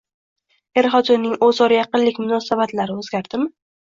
Er-xotinning o‘zaro yaqinlik munosabatlari o‘zgardimi?